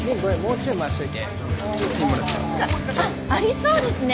あっありそうですね。